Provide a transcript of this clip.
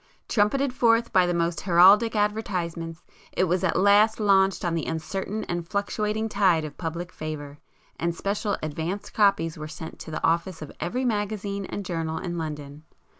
Trumpeted forth by the most heraldic advertisements, it was at last launched on the uncertain and fluctuating tide of public favour, and special 'advance' copies were sent to the office of every magazine and journal in London.